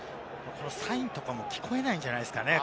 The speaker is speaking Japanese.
サインとかも聞こえないんじゃないでしょうかね？